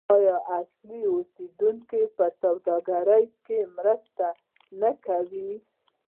آیا اصلي اوسیدونکو په سوداګرۍ کې مرسته نه کوله؟